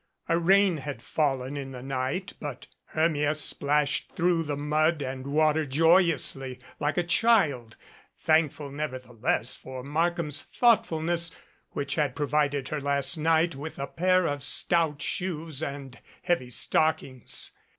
A rain had fallen in the night but Hermia splashed through the mud and water joyously, like a child, thank ful nevertheless for Markham's thoughtfulness which had provided her last night with a pair of stout shoes and heavy stockings.